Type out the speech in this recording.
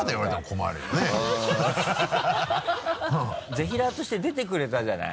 ぜひらーとして出てくれたじゃない？